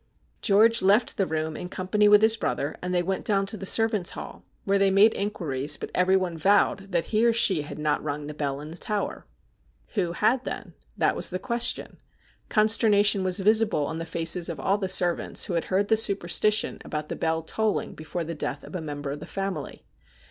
George left the room in company with his brother, and they went down to the servants' hall, where they made in quiries, but everyone vowed that he or she had not rung the bell in the tower. Who had then ? That was the question. Consternation was visible on the faces of all the servants who had heard the superstition about the bell tolling before the death of a mem ber of the family.